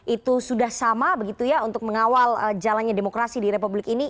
itu sudah sama begitu ya untuk mengawal jalannya demokrasi di republik ini